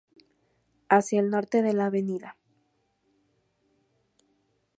Hacia el norte de la Av.